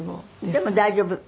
でも大丈夫？